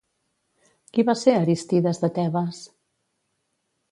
Qui va ser Aristides de Tebes?